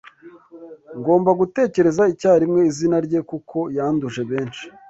Ngomba gutekereza icyarimwe izina rye kuko yanduje benshi